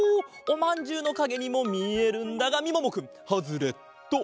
おまんじゅうのかげにもみえるんだがみももくんハズレット！